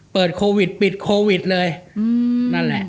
เปิดโควิดปิดโควิดเลยนั่นแหละ